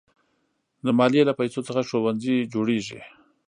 د مالیې له پیسو څخه ښوونځي جوړېږي.